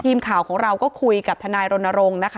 ทีมข่าวของเราก็คุยกับทนายรณรงค์นะคะ